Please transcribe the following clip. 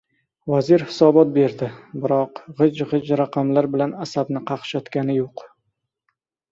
Vazir hisobot berdi, biroq g‘ij-g‘ij raqamlar bilan asabni qaqshatgani yo‘q...